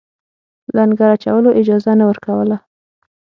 لنګر اچولو اجازه نه ورکوله.